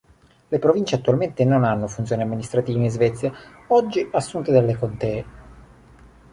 Le province attualmente non hanno funzioni amministrative in Svezia, oggi assunte dalle contee.